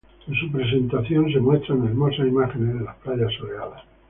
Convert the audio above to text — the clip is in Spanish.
En su presentación, se muestran hermosas imágenes de las playas soleadas.